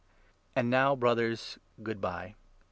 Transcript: And now, Brothers, good bye.